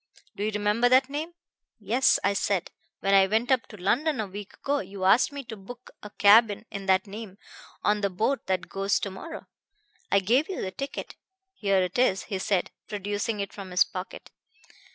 Do you remember that name?' 'Yes,' I said, 'when I went up to London a week ago you asked me to book a cabin in that name on the boat that goes to morrow. I gave you the ticket.' 'Here it is,' he said, producing it from his pocket.